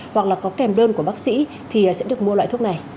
hoặc là có kèm đơn của bác sĩ thì sẽ được mua loại thuốc này